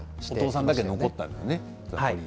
お父さんだけ残ったんだよね。